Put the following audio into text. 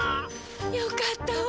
よかったわ。